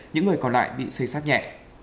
những người còn lại bị xây xác nhẹ